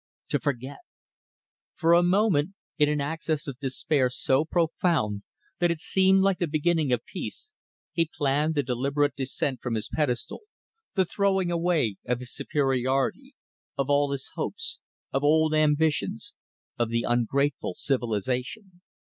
To forget! For a moment, in an access of despair so profound that it seemed like the beginning of peace, he planned the deliberate descent from his pedestal, the throwing away of his superiority, of all his hopes, of old ambitions, of the ungrateful civilization.